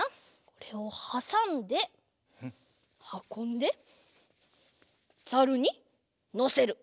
これをはさんではこんでザルにのせる。